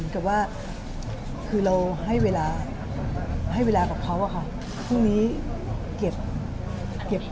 แต่ว่าคือเราให้เวลากับพระบาทเพิ่งพรุ่งนี้เก็บ